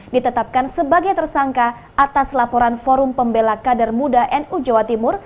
ditetapkan sebagai tersangka atas laporan forum pembela kader muda nu jawa timur